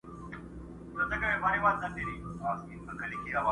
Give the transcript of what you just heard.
زه لکه ماشوم په منډومنډو وړانګي نیسمه!!